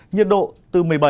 nhiệt độ từ một mươi bảy